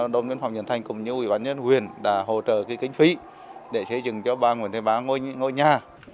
đồng biên phòng nhân thành cùng với ủy bán nhân huyền đã hỗ trợ kinh phí để xây dựng cho bà nguyễn thị ba ngôi nhà